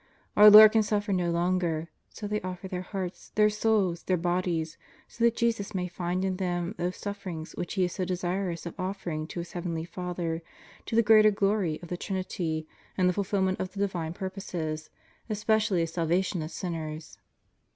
Our Lord can suffer no longer, so they offer their hearts, their souls, their bodies, so that Jesus may find in them those sufferings which He is so desirous of offering to His Heavenly Father to the greater glory of the Trinity and the fulfillment of the Divine purposes, especially the salvation of sinners."